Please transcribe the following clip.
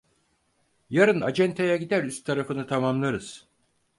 Yarın acentaya gider, üst tarafını tamamlarız!